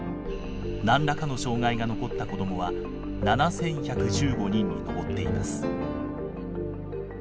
何らかの障害が残った子どもは７，１１５人に上っています。